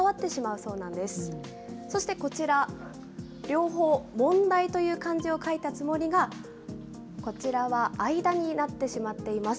そしてこちら、両方、問題という漢字を書いたつもりが、こちらは間になってしまっています。